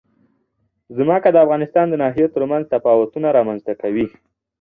ځمکه د افغانستان د ناحیو ترمنځ تفاوتونه رامنځ ته کوي.